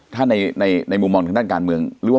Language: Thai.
ถ้าในมุมมองทางด้านการเมือง